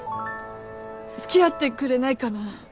付き合ってくれないかな？